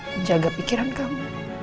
menjaga pikiran kamu